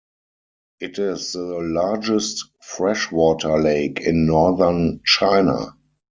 It is the largest freshwater lake in northern China.